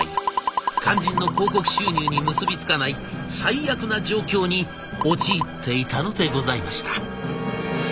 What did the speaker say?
肝心の広告収入に結び付かない最悪な状況に陥っていたのでございました。